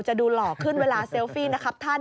ดูหล่อขึ้นเวลาเซลฟี่นะครับท่าน